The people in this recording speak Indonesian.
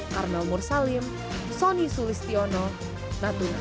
karnal mursalim soni sulistiono natuna